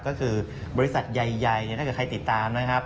ก็คือบริษัทใหญ่ถ้าเกิดใครติดตามนะครับ